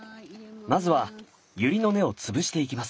まずはユリの根を潰していきます。